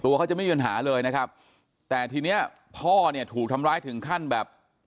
เขาจะไม่มีปัญหาเลยนะครับแต่ทีเนี้ยพ่อเนี่ยถูกทำร้ายถึงขั้นแบบ